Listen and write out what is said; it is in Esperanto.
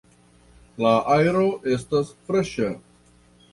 La aero estas freŝa.